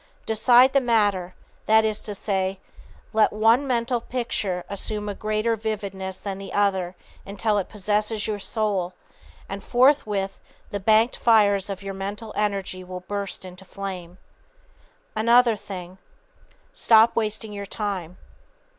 Decide the matter that is to say, _let one mental picture assume a greater vividness than the other until it possesses your soul and forthwith the banked fires of your mental energy will burst into flame_. Another thing: Stop wasting your time.